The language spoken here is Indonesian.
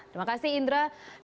terima kasih indra